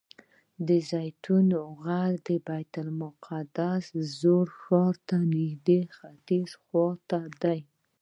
د زیتون غر د بیت المقدس زاړه ښار ته نږدې ختیځ خوا ته دی.